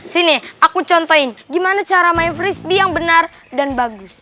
sini aku contohin gimana cara main freezbee yang benar dan bagus